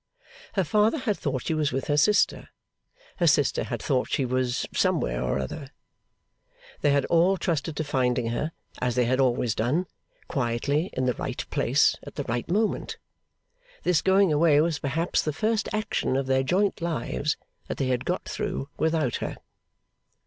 Her father had thought she was with her sister. Her sister had thought she was 'somewhere or other.' They had all trusted to finding her, as they had always done, quietly in the right place at the right moment. This going away was perhaps the very first action of their joint lives that they had got through without her.